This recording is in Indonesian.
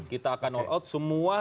kita akan all out semua